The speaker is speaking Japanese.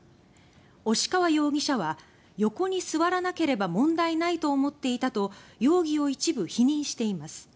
押川容疑者は「横に座らなければ問題ないと思っていた」と容疑を一部否認しています。